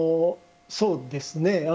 そうですね